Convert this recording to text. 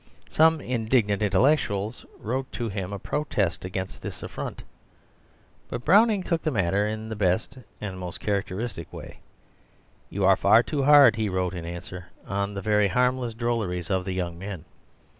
Some indignant intellectuals wrote to him to protest against this affront, but Browning took the matter in the best and most characteristic way. "You are far too hard," he wrote in answer, "on the very harmless drolleries of the young men.